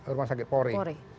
rumah sakit pore